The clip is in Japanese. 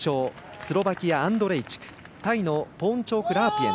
スロバキア、アンドレイチクタイのポーンチョーク・ラープイェン。